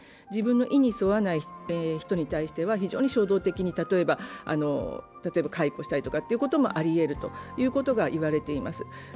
自分の意に沿わない人に対しては非常に衝動的に例えば解雇したりということもありうると言われています。